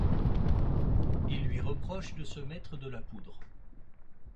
Il lui reproche de se mettre de la poudre.